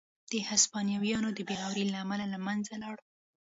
د هسپانویانو د بې غورۍ له امله له منځه لاړ.